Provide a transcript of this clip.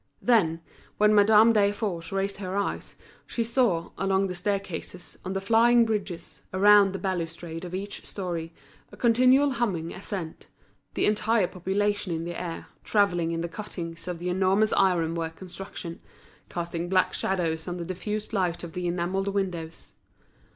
Then, when Madame Desforges raised her eyes, she saw, along the staircases, on the flying bridges, around the balustrade of each storey, a continual humming ascent, an entire population in the air, travelling in the cuttings of the enormous ironwork construction, casting black shadows on the diffused light of the enamelled windows.